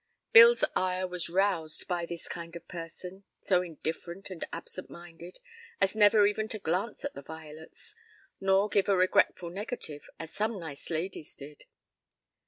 Bill's ire was roused by this kind of person, so indifferent and absent minded, as never even to glance at the violets, nor give a regretful negative, as some nice ladies did.